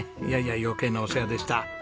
いやいや余計なお世話でした！